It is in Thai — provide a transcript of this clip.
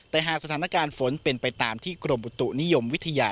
แต่หากสถานการณ์ฝนเป็นไปตามที่กรมอุตุนิยมวิทยา